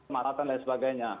masakan dan sebagainya